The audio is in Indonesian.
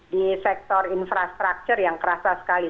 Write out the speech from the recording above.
di sektor infrastruktur yang kerasa sekali